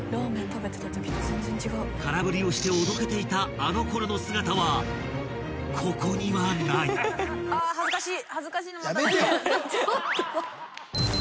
［空振りをしておどけていたあのころの姿はここにはない］恥ずかしい！